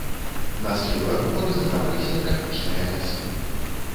На схілах гор захаваліся трапічныя лясы.